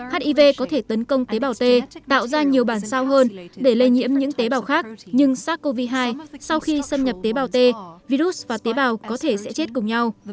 hiv có thể tấn công tế bào t tạo ra nhiều bản sao hơn để lây nhiễm những tế bào khác nhưng sars cov hai sau khi xâm nhập tế bào t virus và tế bào có thể sẽ chết cùng nhau